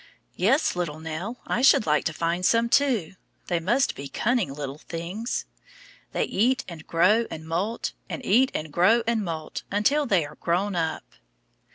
Yes, little Nell, I should like to find some too; they must be cunning little things. They eat and grow and moult, and eat and grow and moult, until they are grown up.